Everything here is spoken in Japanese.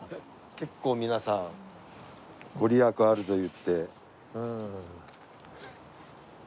結構皆さん御利益あるといって。